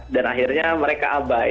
dan akhirnya mereka abai